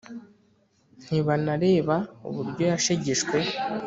ntibanareba uburyo yashegeshwe